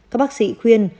các bác sĩ khuyên